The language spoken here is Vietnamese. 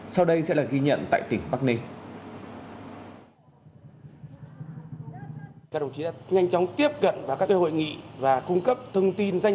sau đây sẽ là ghi nhận tại tỉnh bắc ninh